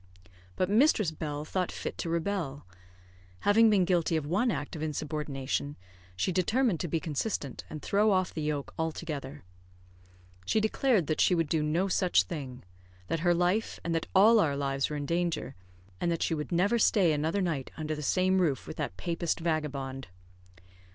But mistress Bell thought fit to rebel. Having been guilty of one act of insubordination, she determined to be consistent, and throw off the yoke altogether. She declared that she would do no such thing; that her life and that all our lives were in danger; and that she would never stay another night under the same roof with that Papist vagabond.